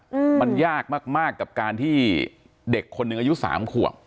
อืมมันยากมากกับการที่เด็กคนหนึ่งอายุ๓คว่ำ